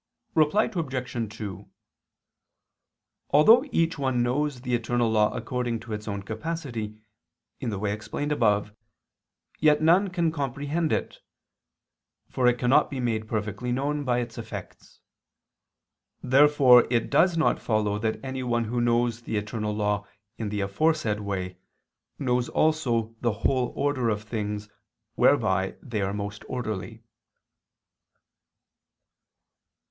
Reply Obj. 2: Although each one knows the eternal law according to his own capacity, in the way explained above, yet none can comprehend it: for it cannot be made perfectly known by its effects. Therefore it does not follow that anyone who knows the eternal law in the way aforesaid, knows also the whole order of things, whereby they are most orderly.